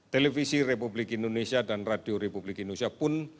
televisi republik indonesia dan radio republik indonesia pun